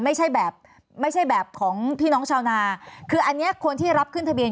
ไม่ใช่แบบไม่ใช่แบบของพี่น้องชาวนาคืออันนี้คนที่รับขึ้นทะเบีย